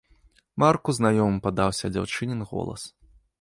Марку знаёмым падаўся дзяўчынін голас.